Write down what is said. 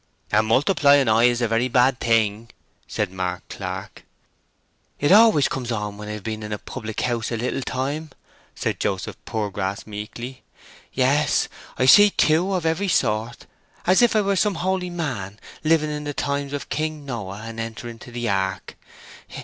"A multiplying eye is a very bad thing," said Mark Clark. "It always comes on when I have been in a public house a little time," said Joseph Poorgrass, meekly. "Yes; I see two of every sort, as if I were some holy man living in the times of King Noah and entering into the ark....